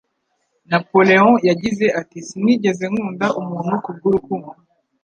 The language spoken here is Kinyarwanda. Napoleon yagize ati: "Sinigeze nkunda umuntu ku bw'urukundo,